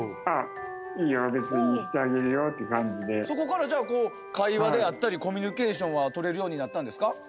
そこからじゃあこう会話であったりコミュニケーションはとれるようになったんですか？